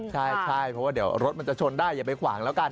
ใช่เพราะว่าเดี๋ยวรถมันจะชนได้อย่าไปขวางแล้วกัน